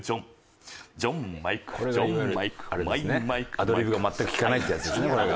アドリブが全く利かないってやつですね